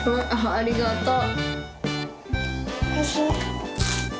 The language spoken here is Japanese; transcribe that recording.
ありがとう。